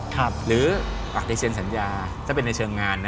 หรืออาจจะเซ็นสัญญาถ้าเป็นในเชิงงานนะ